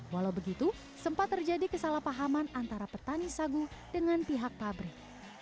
walau begitu sempat terjadi kesalahpahaman antara petani sagu dengan pihak pabrik